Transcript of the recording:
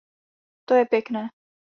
To je pěkné.